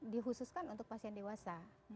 dikhususkan untuk pasien dewasa